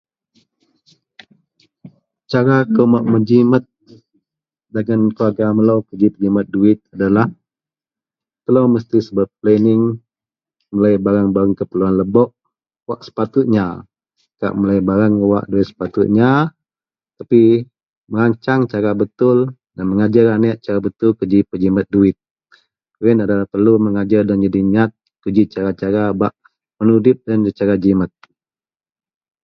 Cara kou bak mejimet dagen keluarga melo kuji pejimet duwit adalah telo mesti subet planning melei bareang-bareang keperluwan lebok wak sepatutnya kak melei bareang wak da sepatutnya tapi meransang secara betul mengajer anek cara betul kuji pejimet duwit iyenlah adalah perlu mengajar doloyen jadi nyat kuji ji cara-cara bak menudip loyen cara jimet.